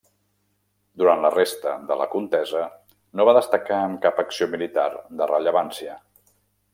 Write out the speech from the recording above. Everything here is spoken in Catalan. Durant la resta de la contesa no va destacar en cap acció militar de rellevància.